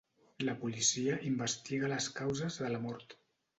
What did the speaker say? La policia investiga la causes de la mort.